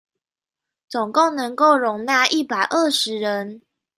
總共能夠容納一百二十人